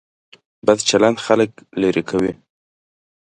بد چلند خلک لرې کوي.